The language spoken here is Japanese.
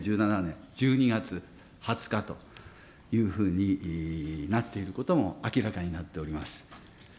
２０１７年１２月２０日というふうになっていることも明らかになっております。